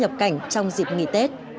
nhập cảnh trong dịp nghỉ tết